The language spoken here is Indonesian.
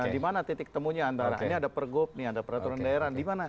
dimana titik temunya antara ini ada pergub ini ada peraturan daerah dimana